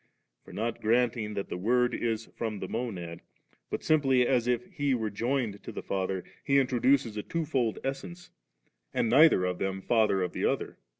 For not granting that the Word is from the Monad, but simply as if He were joined to the Father, he introduces a twofold essence, and neither of them Father of the other.